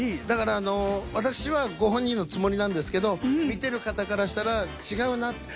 だから私はご本人のつもりなんですけど見てる方からしたら違うな。